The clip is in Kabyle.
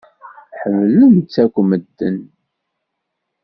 Ḥemmlen-tt akk medden.